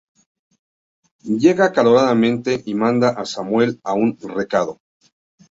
Llega acaloradamente y manda a Samuel a un recado.